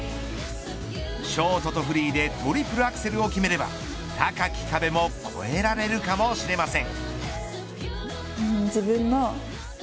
ショートとフリーでトリプルアクセルを決めれば高き壁も越えられるかもしれません。